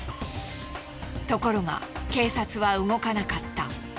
ところが警察は動かなかった。